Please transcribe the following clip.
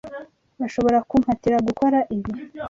Bashobora kumpatira gukora ibi?